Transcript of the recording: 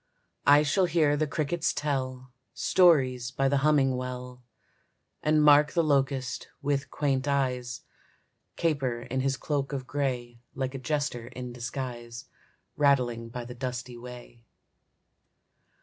I shall hear the crickets tell Stories by the humming well, And mark the locust, with quaint eyes, Caper in his cloak of gray Like a jester in disguise Rattling by the dusty way.